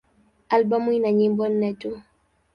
Albamu ina nyimbo nne tu.